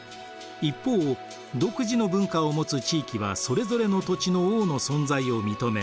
一方独自の文化を持つ地域はそれぞれの土地の王の存在を認め